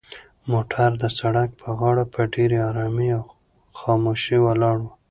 موټر د سړک په غاړه په ډېرې ارامۍ او خاموشۍ ولاړ و.